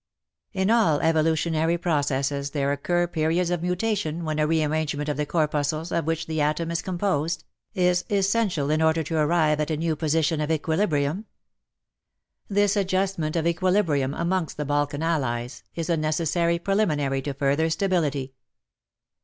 In all evolutionary processes there occur WAR AND WOMEN 37 periods of mutation when a re arrangement of the corpuscles of which the atom is com posed, is essential in order to arrive at a new position of equilibrium. This adjustment of equilibrium amongst the Balkan Allies, is a necessary preliminary to further stability.